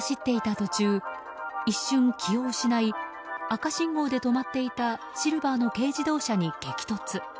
途中一瞬、気を失い赤信号で止まっていたシルバーの軽自動車に激突。